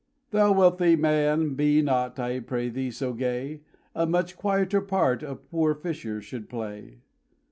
"Thou wealthy man, be not, I pray thee, so gay, A much quieter part a poor fisher should play."